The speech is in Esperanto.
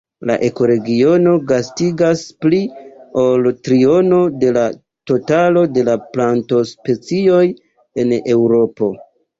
La ekoregiono gastigas pli ol trionon de la totalo de la plantospecioj en Eŭropo.